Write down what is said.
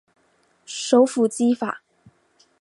首府基法。